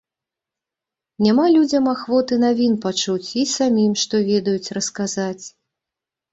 Няма людзям ахвоты навін пачуць і самым, што ведаюць, расказаць.